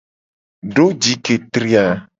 Do ji ke tri a.